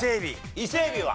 伊勢海老は？